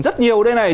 rất nhiều đây này